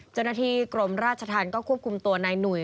เจ้าหน้าที่กรมราชธรรมก็ควบคุมตัวนายหนุ่ย